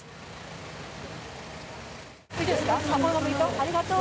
ありがとう。